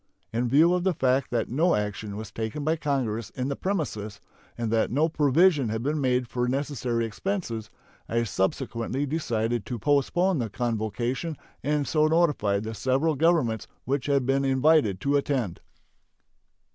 In view of the fact that no action was taken by Congress in the premises and that no provision had been made for necessary expenses, I subsequently decided to postpone the convocation, and so notified the several Governments which had been invited to attend.